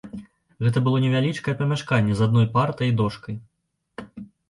Гэта было невялічкае памяшканне з адной партай і дошкай.